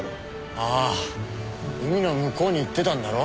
ああ海の向こうに行ってたんだろ？